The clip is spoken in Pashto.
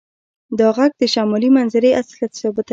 دا غږ د شمالي منظرې اصلیت ثابتوي